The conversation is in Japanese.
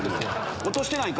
落としてないか？